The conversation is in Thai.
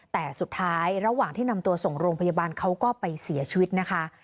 แต่สุดท้ายระหว่างที่นำตัวส่งโรงพยาบาลเขาก็ไปเสียชีวิตนะคะ